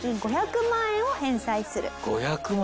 ５００万？